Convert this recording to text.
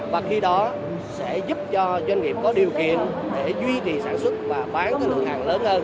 và khi đó sẽ giúp cho doanh nghiệp có điều kiện để duy trì sản xuất và bán lượng hàng lớn hơn